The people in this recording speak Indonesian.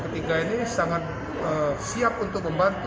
tidak akan bangun